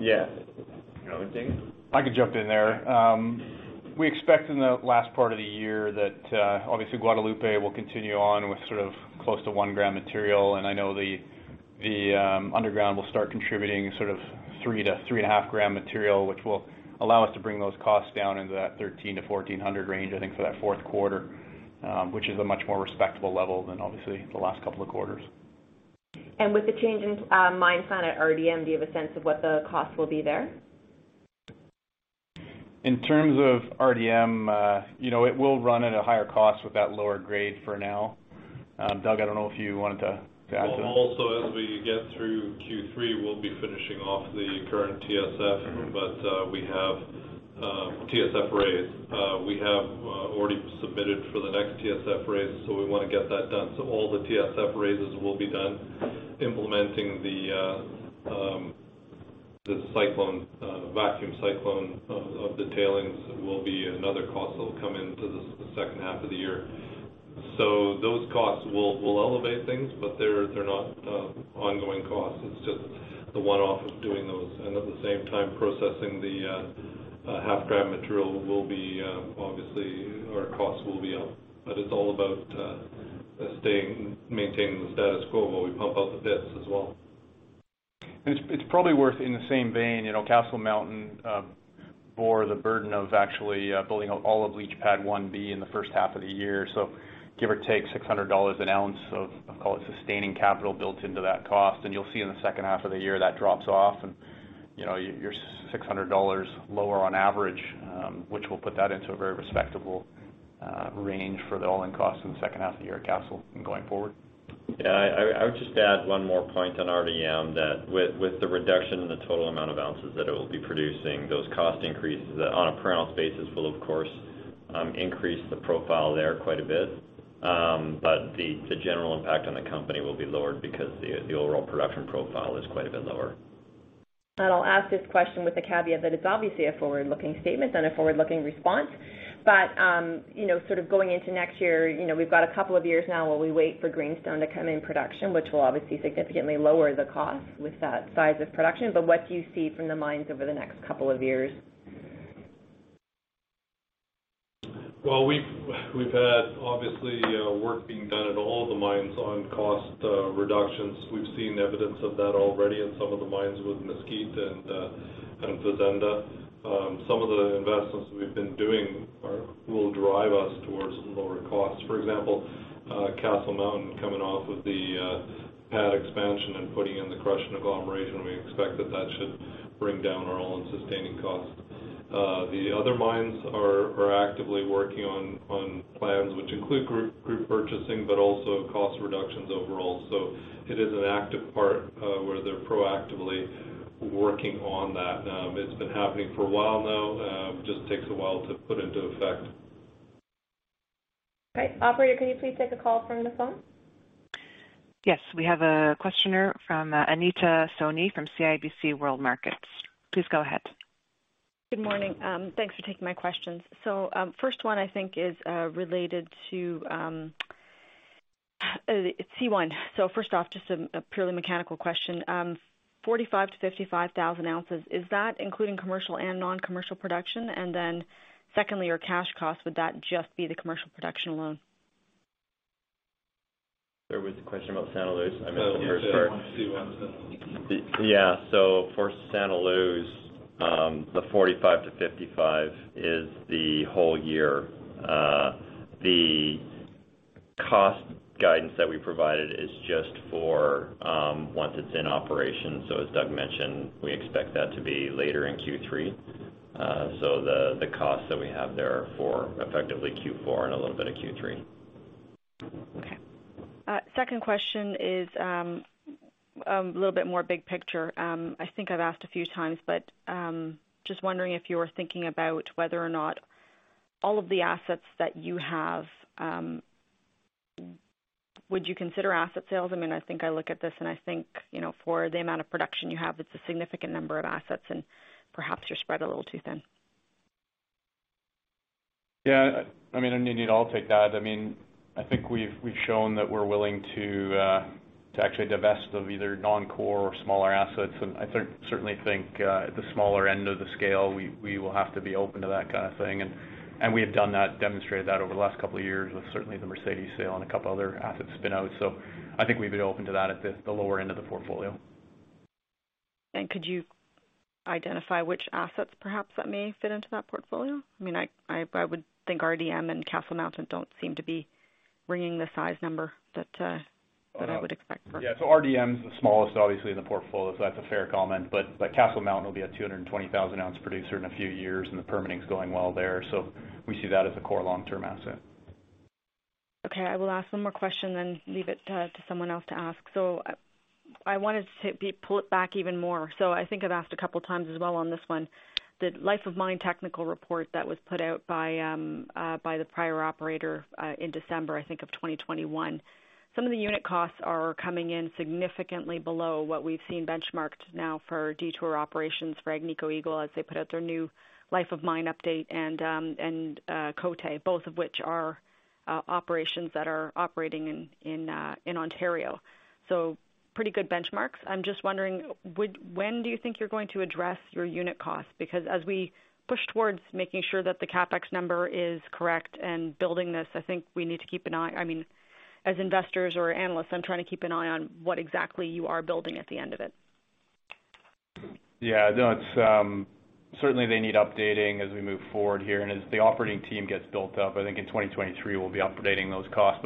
Yes. You want me to take it? I can jump in there. We expect in the last part of the year that, obviously Guadalupe will continue on with sort of close to 1 g material. I know the underground will start contributing sort of 3-3.5 g material, which will allow us to bring those costs down into that $1,300-$1,400 range, I think, for that fourth quarter, which is a much more respectable level than obviously the last couple of quarters. With the change in mine plan at RDM, do you have a sense of what the cost will be there? In terms of RDM, you know, it will run at a higher cost with that lower grade for now. Doug, I don't know if you wanted to add to that. Well, as we get through Q3, we'll be finishing off the current TSF, but we have TSF raises. We have already submitted for the next TSF raises, so we wanna get that done. So all the TSF raises will be done. Implementing the vacuum cyclone of the tailings will be another cost that will come into the second half of the year. So those costs will elevate things, but they're not ongoing costs. It's just the one-off of doing those. At the same time, processing the half gram material will be obviously our costs will be up. It's all about staying, maintaining the status quo while we pump out the pits as well. It's probably worth in the same vein, you know, Castle Mountain bore the burden of actually building out all of leach pad 1-B in the first half of the year. Give or take $600 an ounce of, I'll call it sustaining capital built into that cost and you'll see in second half of the year that drops off. You know, you're $600 lower on average, which will put that into a very respectable range for the all-in costs in the second half of the year at Castle and going forward. Yeah, I would just add one more point on RDM that with the reduction in the total amount of ounces that it will be producing, those cost increases on a per ounce basis will, of course, increase the profile there quite a bit. The general impact on the company will be lowered because the overall production profile is quite a bit lower. I'll ask this question with the caveat that it's obviously a forward-looking statement and a forward-looking response. You know, sort of going into next year, you know, we've got a couple of years now where we wait for Greenstone to come in production, which will obviously significantly lower the cost with that size of production. What do you see from the mines over the next couple of years? We've had obviously work being done at all the mines on cost reductions. We've seen evidence of that already in some of the mines with Mesquite and Fazenda. Some of the investments we've been doing will drive us towards lower costs. For example, Castle Mountain coming off of the pad expansion and putting in the crush and agglomeration, we expect that should bring down our all-in sustaining cost. The other mines are actively working on plans which include group purchasing, but also cost reductions overall. It is an active part where they're proactively working on that. It's been happening for a while now. Just takes a while to put into effect. All right. Operator, can you please take a call from the phone? Yes, we have a questioner from, Anita Soni from CIBC World Markets. Please go ahead. Good morning. Thanks for taking my questions. First one I think is related to C1. First off, just a purely mechanical question. 45,000-55,000 oz, is that including commercial and non-commercial production? And then secondly, your cash costs, would that just be the commercial production alone? There was a question about Santa Luz. I missed the first part. Oh, yeah, C1, Santa Luz. For Santa Luz, the $45-$55 is the whole year. The cost guidance that we provided is just for once it's in operation. As Doug mentioned, we expect that to be later in Q3. The costs that we have there are for effectively Q4 and a little bit of Q3. Okay. Second question is a little bit more big picture. I think I've asked a few times, but just wondering if you are thinking about whether or not all of the assets that you have would you consider asset sales? I mean, I think I look at this and I think, you know, for the amount of production you have, it's a significant number of assets and perhaps you're spread a little too thin. I mean, Anita, I'll take that. I mean, I think we've shown that we're willing to actually divest of either non-core or smaller assets. I certainly think at the smaller end of the scale, we will have to be open to that kind of thing. We have done that, demonstrated that over the last couple of years with certainly the Mercedes sale and a couple other asset spin-outs. I think we'd be open to that at the lower end of the portfolio. Could you identify which assets perhaps that may fit into that portfolio? I mean, I would think RDM and Castle Mountain don't seem to be ringing the size number that I would expect for. Yeah. RDM is the smallest, obviously, in the portfolio, so that's a fair comment. But Castle Mountain will be a 220,000 oz producer in a few years, and the permitting is going well there. We see that as a core long-term asset. Okay. I will ask one more question then leave it to someone else to ask. I wanted to pull it back even more. I think I've asked a couple of times as well on this one. The life of mine technical report that was put out by the prior operator in December, I think, of 2021. Some of the unit costs are coming in significantly below what we've seen benchmarked now for Detour operations for Agnico Eagle as they put out their new life of mine update and Côté, both of which are operations that are operating in Ontario. Pretty good benchmarks. I'm just wondering, when do you think you're going to address your unit cost? Because as we push toward making sure that the CapEx number is correct and building this, I think we need to keep an eye, I mean, as investors or analysts, I'm trying to keep an eye on what exactly you are building at the end of it. Yeah, no, it's certainly they need updating as we move forward here. As the operating team gets built up, I think in 2023, we'll be updating those costs.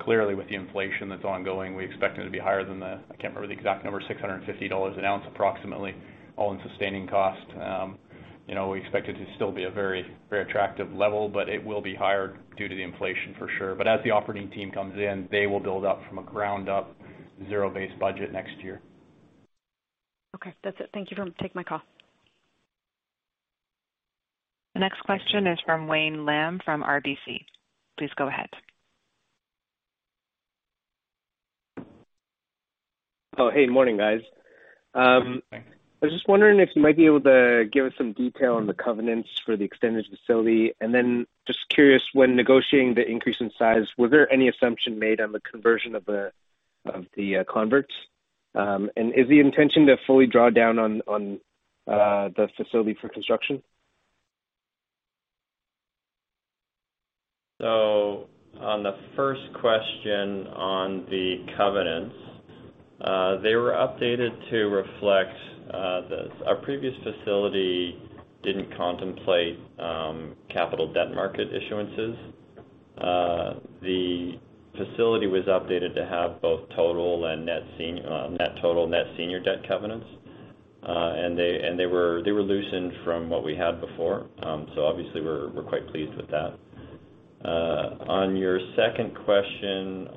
Clearly, with the inflation that's ongoing, we expect it to be higher than the, I can't remember the exact number, $650 an ounce, approximately, all-in sustaining cost. You know, we expect it to still be a very, very attractive level, but it will be higher due to the inflation for sure. As the operating team comes in, they will build up from the ground up zero-based budget next year. Okay. That's it. Thank you for taking my call. The next question is from Wayne Lam from RBC. Please go ahead. Oh, hey, morning, guys. I was just wondering if you might be able to give us some detail on the covenants for the extended facility. Just curious, when negotiating the increase in size, were there any assumption made on the conversion of the converts? Is the intention to fully draw down on the facility for construction? On the first question on the covenants, they were updated to reflect our previous facility didn't contemplate capital debt market issuances. The facility was updated to have both total net debt and net senior debt covenants, and they were loosened from what we had before. Obviously we're quite pleased with that. On your second question,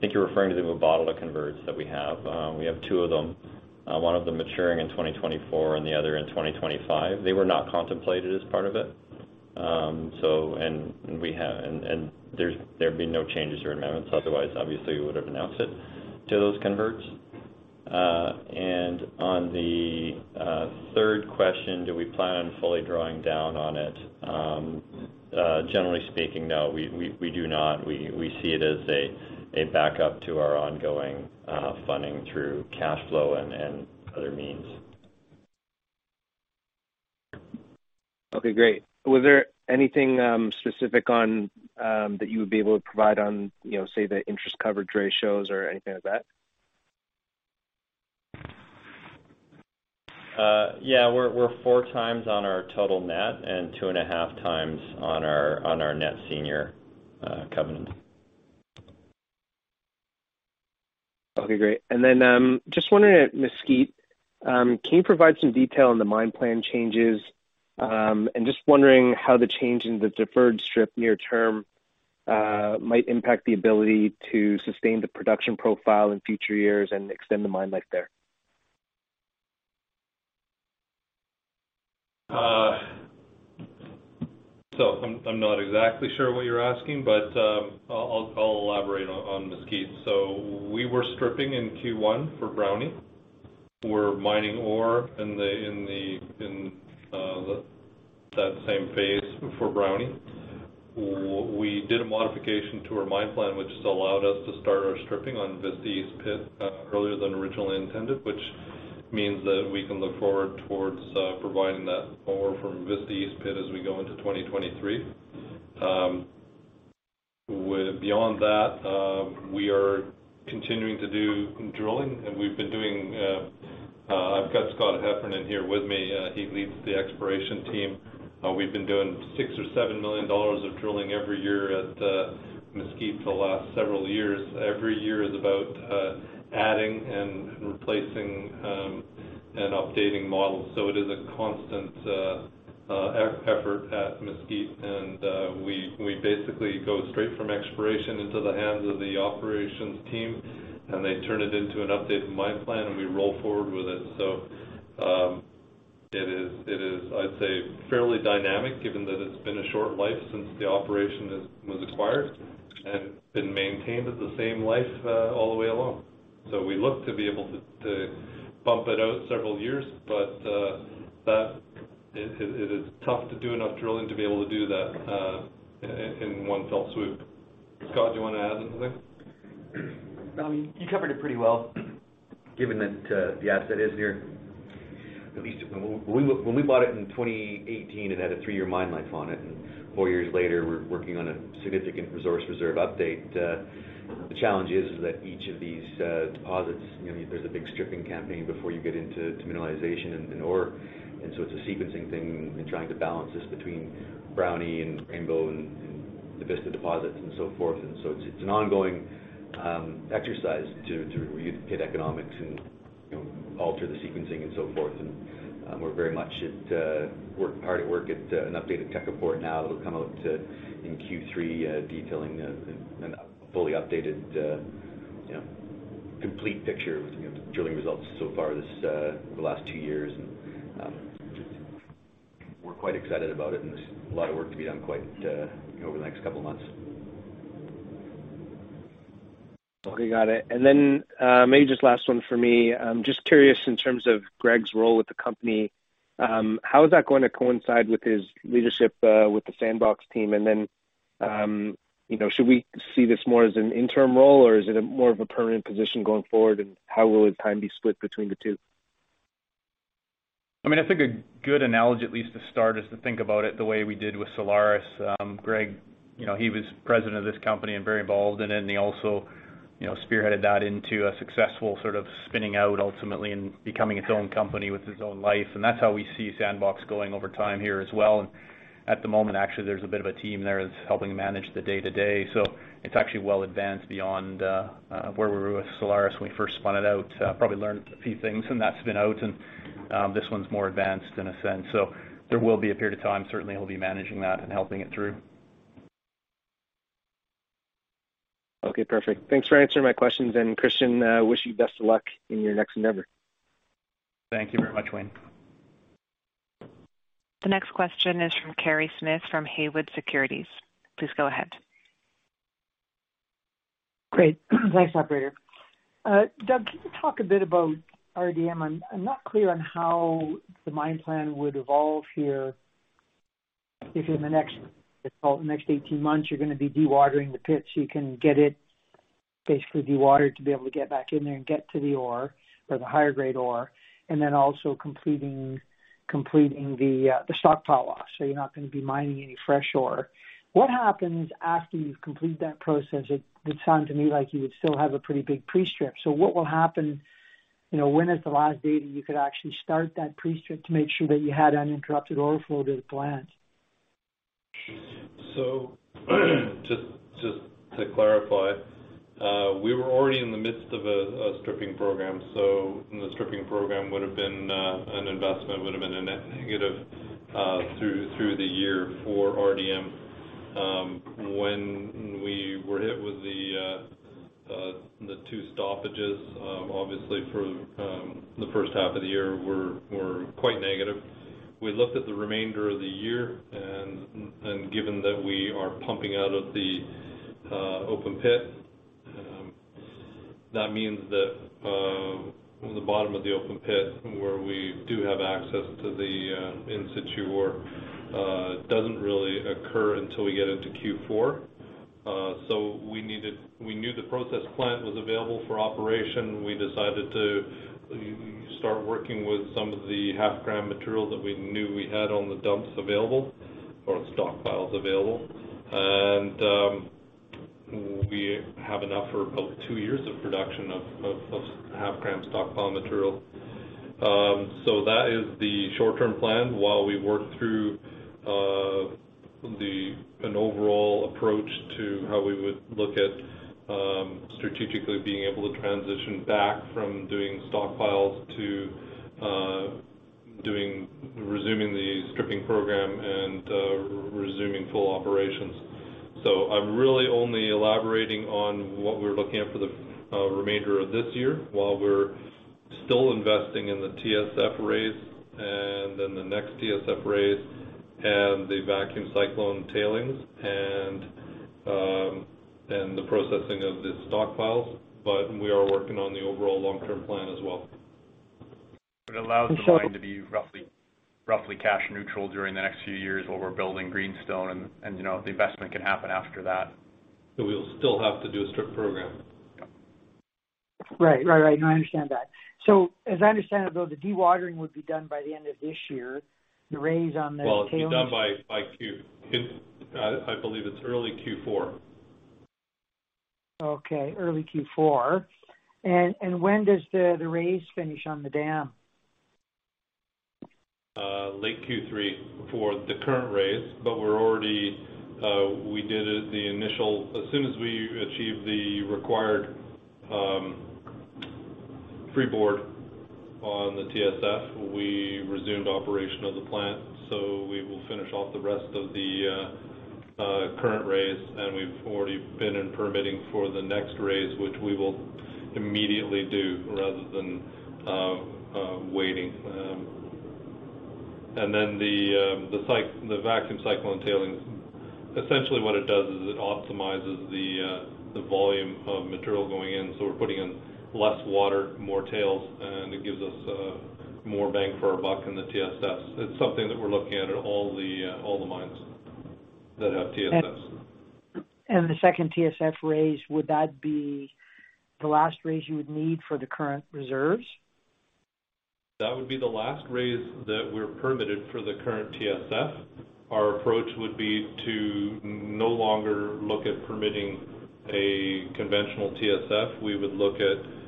I think you're referring to the convertible notes that we have. We have two of them, one of them maturing in 2024 and the other in 2025. They were not contemplated as part of it. There'll be no changes or amendments, otherwise, obviously, we would have announced it to those convertible notes. On the third question, do we plan on fully drawing down on it? Generally speaking, no, we do not. We see it as a backup to our ongoing funding through cash flow and other means. Okay, great. Was there anything specific on that you would be able to provide on, you know, say, the interest coverage ratios or anything like that? Yeah. We're 4x on our total net and 2.5x on our net senior covenant. Okay, great. Just wondering at Mesquite, can you provide some detail on the mine plan changes? Just wondering how the change in the deferred strip near term might impact the ability to sustain the production profile in future years and extend the mine life there. I'm not exactly sure what you're asking, but I'll elaborate on Mesquite. We were stripping in Q1 for Brownie. We're mining ore in that same phase for Brownie. We did a modification to our mine plan, which has allowed us to start our stripping on Vista East Pit earlier than originally intended, which means that we can look forward towards providing that ore from Vista East Pit as we go into 2023. Beyond that, we are continuing to do drilling. I've got Scott Heffernan here with me. He leads the exploration team. We've been doing $6-$7 million of drilling every year at Mesquite for the last several years. Every year is about adding and replacing and updating models. It is a constant effort at Mesquite. We basically go straight from exploration into the hands of the operations team, and they turn it into an updated mine plan, and we roll forward with it. It is, I'd say, fairly dynamic, given that it's been a short life since the operation was acquired and been maintained at the same life all the way along. We look to be able to bump it out several years, but it is tough to do enough drilling to be able to do that in one fell swoop. Scott, do you want to add anything? No, I mean, you covered it pretty well. Given that, the asset is near at least when we bought it in 2018, it had a three-year mine life on it, and four years later, we're working on a significant resource reserve update. The challenge is that each of these deposits, you know, there's a big stripping campaign before you get into mineralization and ore. It's a sequencing thing and trying to balance this between Brownie and Rainbow and the Vista deposits and so forth. It's an ongoing exercise to re-get economics and, you know, alter the sequencing and so forth. We're hard at work at an updated tech report now that'll come out in Q3 detailing a fully updated, you know, complete picture with, you know, the drilling results so far this, the last two years. We're quite excited about it, and there's a lot of work to be done quite, you know, over the next couple of months. Okay, got it. Maybe just last one for me. I'm just curious in terms of Greg's role with the company, how is that going to coincide with his leadership with the Sandbox team? You know, should we see this more as an interim role, or is it more of a permanent position going forward, and how will his time be split between the two? I mean, I think a good analogy, at least to start, is to think about it the way we did with Solaris. Greg, you know, he was president of this company and very involved in it, and he also, you know, spearheaded that into a successful sort of spinning out ultimately and becoming its own company with its own life. That's how we see Sandbox going over time here as well. At the moment, actually, there's a bit of a team there that's helping manage the day-to-day. It's actually well advanced beyond where we were with Solaris when we first spun it out. Probably learned a few things from that spin-out, and this one's more advanced in a sense. There will be a period of time, certainly he'll be managing that and helping it through. Okay, perfect. Thanks for answering my questions. Christian, wish you best of luck in your next endeavor. Thank you very much, Wayne. The next question is from Kerry Smith, from Haywood Securities. Please go ahead. Great. Thanks, operator. Doug, can you talk a bit about RDM? I'm not clear on how the mine plan would evolve here if in the next 18 months, you're gonna be dewatering the pit so you can get it basically dewatered to be able to get back in there and get to the ore or the higher grade ore, and then also completing the stockpile loss, so you're not gonna be mining any fresh ore. What happens after you've completed that process? It sounded to me like you would still have a pretty big pre-strip. What will happen? You know, when is the last day that you could actually start that pre-strip to make sure that you had uninterrupted ore flow to the plant? Just to clarify, we were already in the midst of a stripping program. The stripping program would have been an investment, would have been a negative through the year for RDM. When we were hit with the two stoppages, obviously for the first half of the year we were quite negative. We looked at the remainder of the year and given that we are pumping out of the open pit, that means that the bottom of the open pit where we do have access to the in-situ ore doesn't really occur until we get into Q4. We knew the process plant was available for operation. We decided to start working with some of the half-gram material that we knew we had on the dumps available or stockpiles available. We have enough for about two years of production of half-gram stockpile material. That is the short-term plan while we work through an overall approach to how we would look at strategically being able to transition back from doing stockpiles to resuming the stripping program and resuming full operations. I'm really only elaborating on what we're looking at for the remainder of this year while we're still investing in the TSF raise and then the next TSF raise and the vacuum cycloning tailings and the processing of the stockpiles. We are working on the overall long-term plan as well. It allows the mine to be roughly cash neutral during the next few years while we're building Greenstone and, you know, the investment can happen after that. We'll still have to do a strip program. Yep. Right. No, I understand that. As I understand it, though, the dewatering would be done by the end of this year. The raise on the tailings. Well, it'll be done. I believe it's early Q4. Okay, early Q4. When does the raise finish on the dam? Late Q3 for the current raise, but we're already. We did the initial. As soon as we achieved the required freeboard on the TSF, we resumed operation of the plant. We will finish off the rest of the current raise, and we've already been in permitting for the next raise, which we will immediately do rather than waiting. The vacuum cycloning tailings, essentially what it does is it optimizes the volume of material going in, so we're putting in less water, more tails, and it gives us more bang for our buck in the TSFs. It's something that we're looking at all the mines that have TSFs. The second TSF raise, would that be the last raise you would need for the current reserves? That would be the last raise that we're permitted for the current TSF. Our approach would be to no longer look at permitting a conventional TSF. We would look at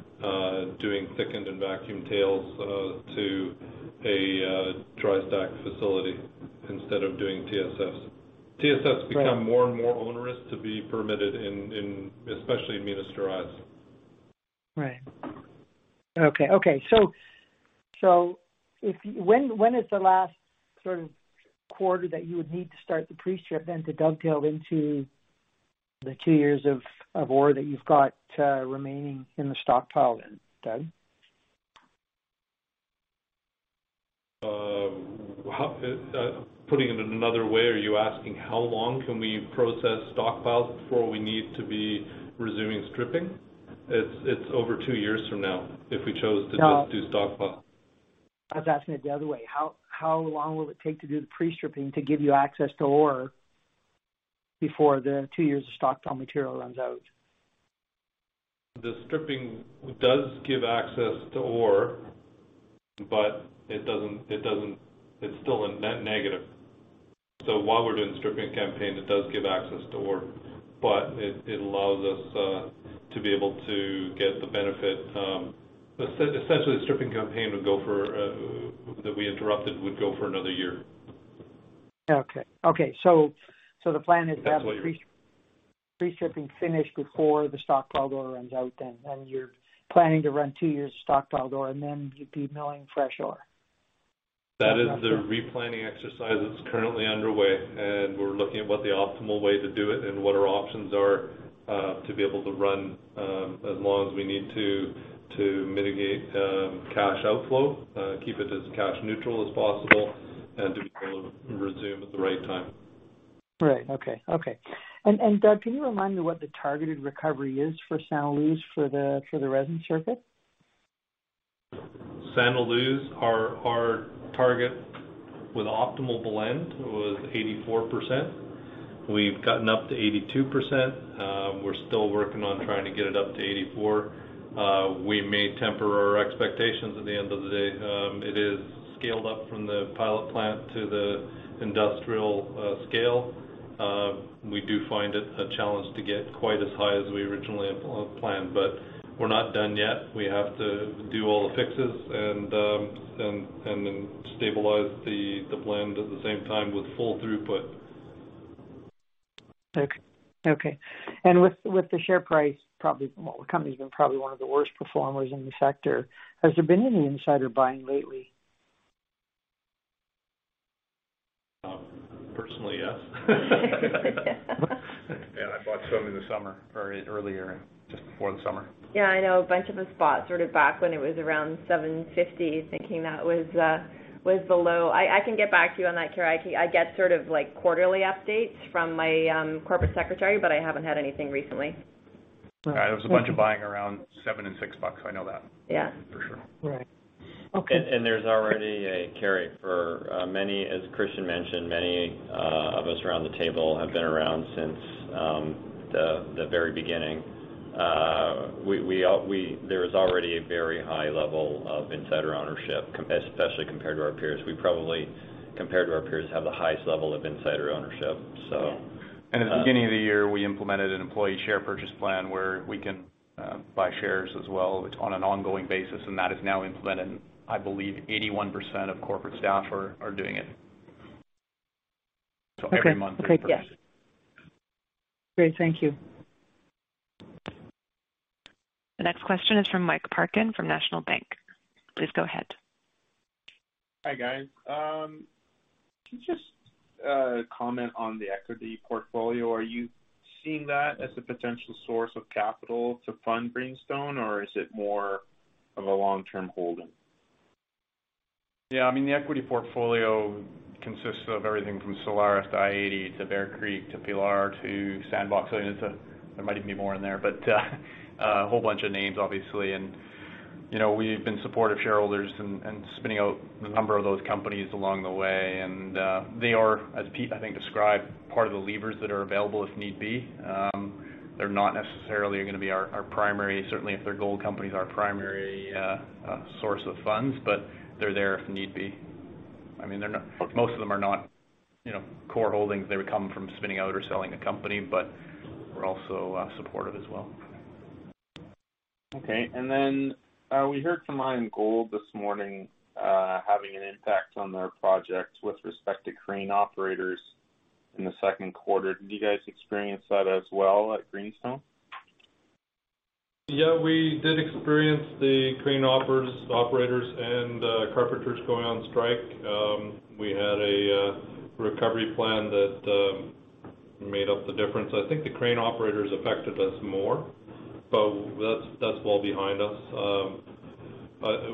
doing thickened and vacuum tails to a dry stack facility instead of doing TSFs. Right. TSFs become more and more onerous to be permitted in especially in Minas Gerais. When is the last sort of quarter that you would need to start the pre-strip then to dovetail into the two years of ore that you've got remaining in the stockpile then, Doug? Putting it another way, are you asking how long can we process stockpiles before we need to be resuming stripping? It's over two years from now if we chose to do- No. Do stockpile. I was asking it the other way. How long will it take to do the pre-stripping to give you access to ore before the two years of stockpile material runs out? The stripping does give access to ore, but it doesn't. It's still a net negative. While we're doing stripping campaign, it does give access to ore, but it allows us to be able to get the benefit. Essentially the stripping campaign that we interrupted would go for another year. Okay. The plan is. That's what. To have pre-stripping finished before the stockpile ore runs out then. You're planning to run two years stockpile ore and then you'd be milling fresh ore. That is the replanning exercise that's currently underway, and we're looking at what the optimal way to do it and what our options are, to be able to run, as long as we need to mitigate, cash outflow, keep it as cash neutral as possible and to be able to resume at the right time. Right. Okay. Doug, can you remind me what the targeted recovery is for Santa Luz for the resin circuit? Santa Luz, our target with optimal blend was 84%. We've gotten up to 82%. We're still working on trying to get it up to 84%. We may temper our expectations at the end of the day. It is scaled up from the pilot plant to the industrial scale. We do find it a challenge to get quite as high as we originally had planned, but we're not done yet. We have to do all the fixes and then stabilize the blend at the same time with full throughput. Okay. With the share price, probably, well, the company's been probably one of the worst performers in the sector. Has there been any insider buying lately? Personally, yes. Yeah, I bought some in the summer or earlier, just before the summer. Yeah, I know a bunch of us bought sort of back when it was around $7.50, thinking that was the low. I can get back to you on that, Kerry. I get sort of like quarterly updates from my corporate secretary, but I haven't had anything recently. All right. There was a bunch of buying around $7 and $6. I know that. Yeah. For sure. Right. Okay. There's already a carry for many, as Christian mentioned, of us around the table have been around since the very beginning. There is already a very high level of insider ownership, especially compared to our peers. We probably, compared to our peers, have the highest level of insider ownership, so. Yeah. At the beginning of the year, we implemented an employee share purchase plan where we can buy shares as well. It's on an ongoing basis, and that is now implemented. I believe 81% of corporate staff are doing it. Okay. Good. Every month they purchase. Great. Thank you. The next question is from Mike Parkin from National Bank. Please go ahead. Hi, guys. Can you just comment on the equity portfolio? Are you seeing that as a potential source of capital to fund Greenstone, or is it more of a long-term holding? Yeah, I mean, the equity portfolio consists of everything from Solaris to i-80 to Bear Creek to Pilar to Sandbox. I mean, there might even be more in there, but a whole bunch of names obviously. You know, we've been supportive shareholders and spinning out a number of those companies along the way. They are, as Pete I think described, part of the levers that are available if need be. They're not necessarily gonna be our primary, certainly if they're gold companies, our primary source of funds, but they're there if need be. I mean, most of them are not, you know, core holdings. They would come from spinning out or selling a company, but we're also supportive as well. Okay. We heard from Alamos Gold this morning, having an impact on their projects with respect to crane operators in the second quarter. Did you guys experience that as well at Greenstone? Yeah, we did experience the crane operators and carpenters going on strike. We had a recovery plan that made up the difference. I think the crane operators affected us more, but that's well behind us.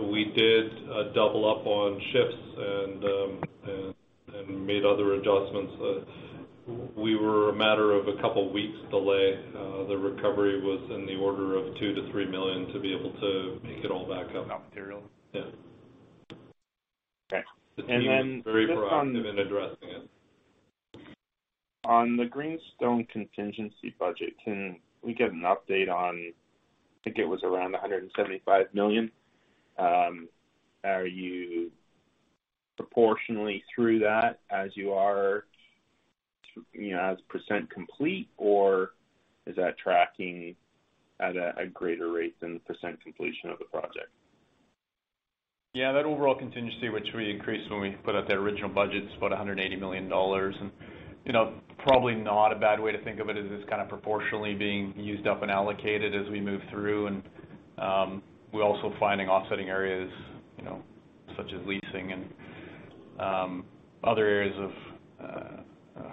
We did double up on shifts and made other adjustments. We were a matter of a couple weeks delay. The recovery was in the order of $2 million-$3 million to be able to make it all back up. Material. Yeah. Okay. Just on- The team is very proactive in addressing it. On the Greenstone contingency budget, can we get an update on—I think it was around $175 million. Are you proportionally through that as you are, you know, as percent complete, or is that tracking at a greater rate than the percent completion of the project? Yeah. That overall contingency, which we increased when we put out the original budget, is about $180 million. You know, probably not a bad way to think of it is it's kind of proportionally being used up and allocated as we move through. We're also finding offsetting areas, you know, such as leasing and other areas of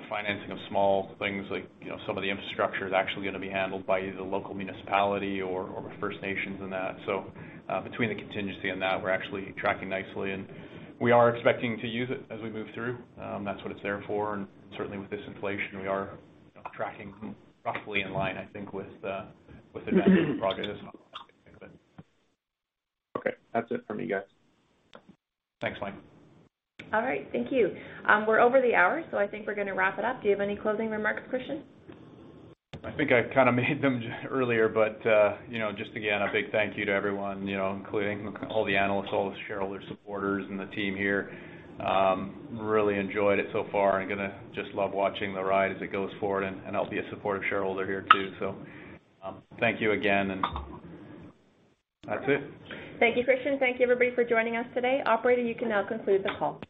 financing of small things like, you know, some of the infrastructure is actually gonna be handled by either local municipality or First Nations and that. Between the contingency and that, we're actually tracking nicely, and we are expecting to use it as we move through. That's what it's there for. Certainly with this inflation, we are tracking roughly in line, I think, with the progress. Okay. That's it for me, guys. Thanks, Mike. All right. Thank you. We're over the hour, so I think we're gonna wrap it up. Do you have any closing remarks, Christian? I think I kinda made them earlier, but you know, just again, a big thank you to everyone, you know, including all the analysts, all the shareholder supporters, and the team here. Really enjoyed it so far, and gonna just love watching the ride as it goes forward. I'll be a supportive shareholder here too. Thank you again, and that's it. Thank you, Christian. Thank you, everybody, for joining us today. Operator, you can now conclude the call.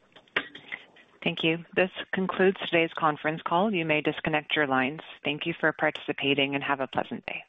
Thank you. This concludes today's conference call. You may disconnect your lines. Thank you for participating, and have a pleasant day.